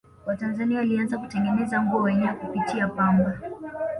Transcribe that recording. watanzania walianza kutengenezea nguo wenyewe kupitia pamba